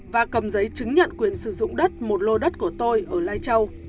và cầm giấy chứng nhận quyền sử dụng đất một lô đất của tôi ở lai châu